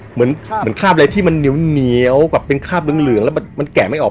เหมือนคราบอะไรที่มันเหนียวกับเป็นคราบเหลืองแล้วมันแกะไม่ออก